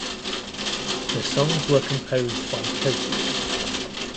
The songs were composed by Koti.